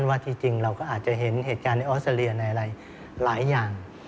ว่าที่จริงเราก็อาจจะเห็นเหตุการณ์ในออสเตรเลียในอะไรหลายอย่าง